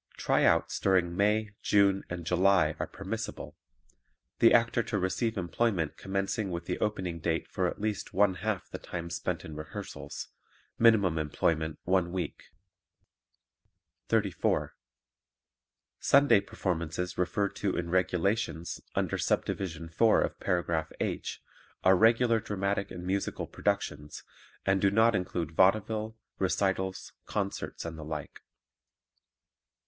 "Tryouts" during May, June and July are permissible; the actor to receive employment commencing with the opening date for at least one half the time spent in rehearsals; minimum employment one week. 34. Sunday performances referred to in "Regulations," under Subdivision 4 of Paragraph H, are regular dramatic and musical productions and do not include vaudeville, recitals, concerts and the like.